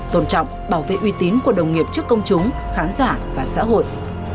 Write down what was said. tôn trọng bảo vệ uy tín của đồng nghiệp trước công chúng khán giả và xã hội